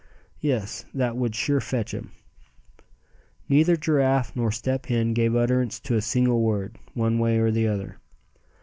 Yes, that would sure fetch him." Neither Giraffe nor Step Hen gave utterance to a single word, one way or the other.